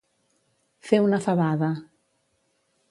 Fer una favada.